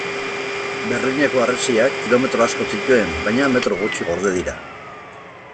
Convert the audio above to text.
Berlineko harresiak kilometro asko zituen baina metro gutxi gorde dira.